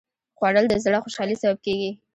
خوړل د زړه خوشالي سبب کېږي